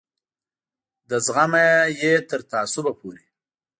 له زغمه یې تر تعصبه پورې.